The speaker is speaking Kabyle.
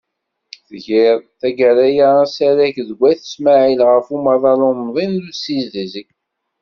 Tgiḍ, taggara-a, asarag deg Ayt Smaɛel ɣef umaḍal umḍin d usideg.